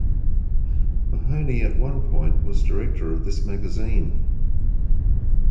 Mahony at one point was director of this magazine.